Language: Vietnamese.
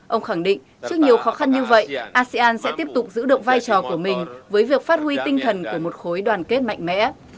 ông khẳng định trước nhiều khó khăn như vậy asean sẽ tiếp tục giữ được vai trò của mình với việc phát huy tinh thần của một khối đoàn kết mạnh mẽ